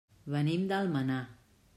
Venim d'Almenar.